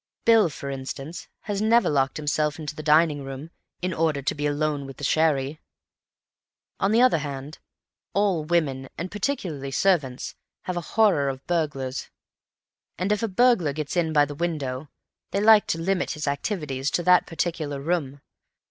Bill, for instance, has never locked himself into the dining room in order to be alone with the sherry. On the other hand, all women, and particularly servants, have a horror of burglars. And if a burglar gets in by the window, they like to limit his activities to that particular room.